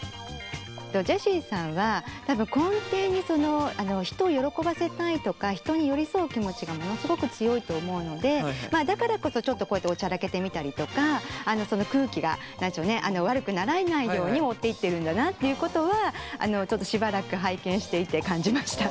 ジェシーさんは多分根底に人を喜ばせたいとか人に寄り添う気持ちがものすごく強いと思うのでだからこそちょっとこうやっておちゃらけてみたりとかその空気が悪くならないように持っていってるんだなっていうことはちょっとしばらく拝見していて感じました。